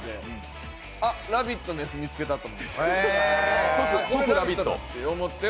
あ、「ラヴィット！」のやつ見つけたと思って。